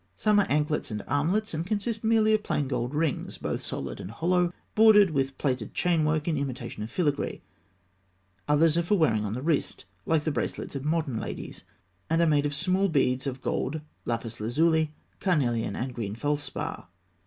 Some are anklets and armlets, and consist merely of plain gold rings, both solid and hollow, bordered with plaited chainwork in imitation of filigree. Others are for wearing on the wrist, like the bracelets of modern ladies, and are made of small beads in gold, lapis lazuli, carnelian, and green felspar.